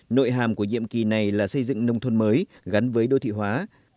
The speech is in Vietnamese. nội hàm của nhiệm kỳ này là xây dựng nông thôn mới gắn với đô thị hóa